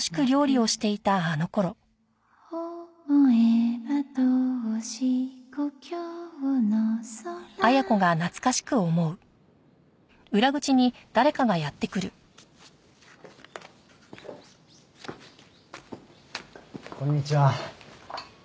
「思えば遠し故郷の空」こんにちは。